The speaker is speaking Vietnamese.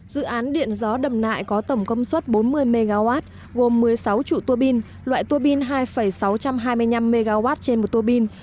dự án điện gió đầm nại có tổng công suất bốn mươi mw gồm một mươi sáu chủ tô bin loại tô bin hai sáu trăm hai mươi năm mw trên một tô bin